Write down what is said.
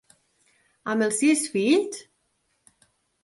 Amb els sis fills?